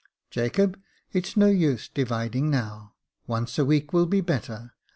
"Jacob, it's no use dividing now; once a week will be better.